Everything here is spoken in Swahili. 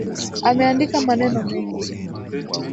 Ameandika maneno mengi